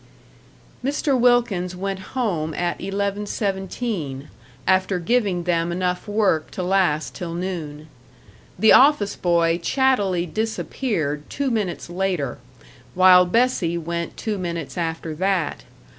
Mr. Wilkins went home at 11.17, after giving them enough work to last till noon. The office boy chattily disappeared two minutes later, while Bessie went two minutes after that.